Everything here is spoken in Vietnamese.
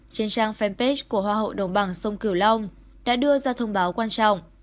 trên trang fanpage của hoa hậu đồng bằng sông cửu long đã đưa ra thông báo quan trọng